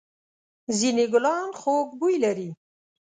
ځېنې گلان خوږ بوی لري.